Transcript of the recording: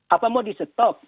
apa mau di setop